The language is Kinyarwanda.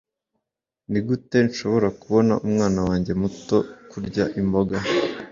nigute nshobora kubona umwana wanjye muto kurya imboga